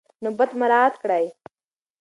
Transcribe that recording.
نوبت مراعات کړئ.